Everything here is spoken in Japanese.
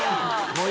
もう。